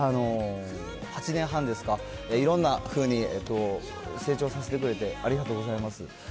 ８年半ですか、いろんなふうに成長させてくれてありがとうございます。